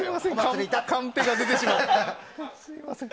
すみません。